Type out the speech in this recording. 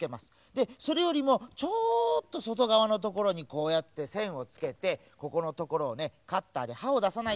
でそれよりもちょっとそとがわのところにこうやってせんをつけてここのところをねカッターではをださないでね。